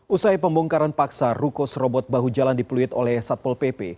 usai pembongkaran paksa ruko serobot bahu jalan dipeluit oleh satpol pp